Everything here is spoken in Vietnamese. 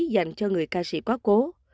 dành cho người ca sĩ quá cố